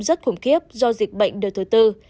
rất khủng khiếp do dịch bệnh đợt thứ tư